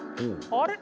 あれ？